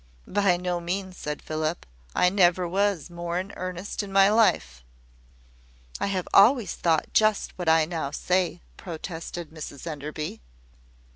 "By no means," said Philip; "I never was more in earnest in my life." "I have always thought just what I now say," protested Mrs Enderby.